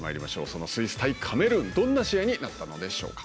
そのスイス対カメルーンどんな試合になったのでしょうか。